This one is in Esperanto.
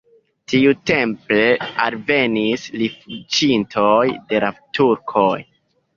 Tiutempe alvenis rifuĝintoj de la turkoj.